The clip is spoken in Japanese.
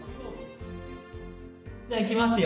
じゃあいきますよ。